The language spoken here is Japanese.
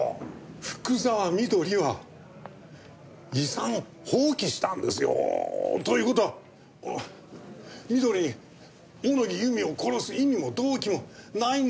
福沢美登里は遺産を放棄したんですよ？という事は美登里に小野木由美を殺す意味も動機もないんですよ。